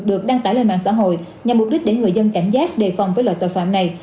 được đăng tải lên mạng xã hội nhằm mục đích để người dân cảnh giác đề phòng với loại tội phạm này